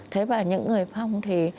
thế và những người phong thì